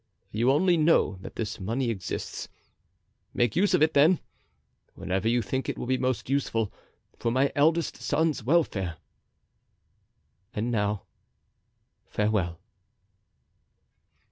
You only know that this money exists. Make use of it, then, whenever you think it will be most useful, for my eldest son's welfare. And now, farewell."